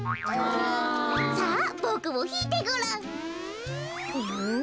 さあボクもひいてごらん。